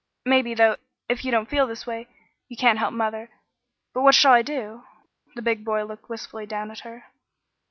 "Maybe, though if you feel this way you can't help mother but what shall I do?" The big boy looked wistfully down at her.